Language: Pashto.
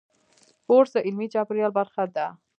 کورس د علمي چاپېریال برخه ده.